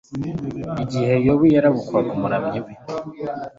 Igihe Yobu yarabukwaga Umuremyi we